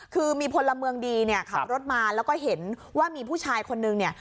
คือมีพลเมืองดีเนี่ยขับรถมาแล้วก็เห็นว่ามีผู้ชายคนนึงเนี่ย